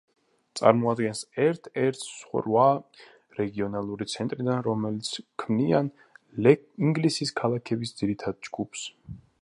წარმოადგენს ერთ-ერთს რვა რეგიონალური ცენტრიდან, რომლებიც ქმნიან ინგლისის ქალაქების ძირითად ჯგუფს.